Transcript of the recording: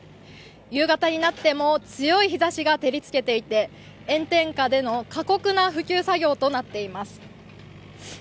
夕方になっても強い日ざしが照りつけていて炎天下での過酷な復旧作業となっています。